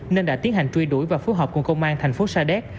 nên đã tiến hành truy đuổi và phối hợp cùng công an thành phố sa đéc